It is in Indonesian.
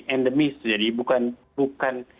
endemis jadi bukan